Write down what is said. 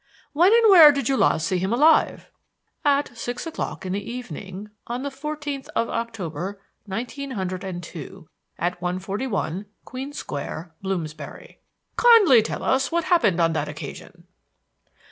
"When and where did you last see him alive?" "At six o'clock in the evening, on the fourteenth of October, nineteen hundred and two, at 141, Queen Square, Bloomsbury." "Kindly tell us what happened on that occasion."